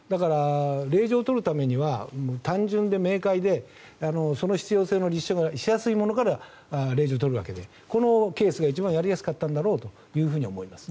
令状を取るためには単純で明快でその必要性の立証がしやすいものから令状を取るわけでこのケースが一番やりやすかったんだろうと思います。